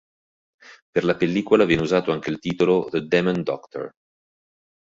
Per la pellicola venne usato anche il titolo "The Demon Doctor".